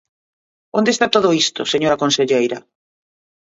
¿Onde está todo isto, señora conselleira?